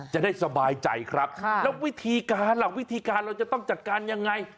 จะได้สบายใจครับแล้ววิธีการล่ะวิธีการเราจะต้องจัดการยังไง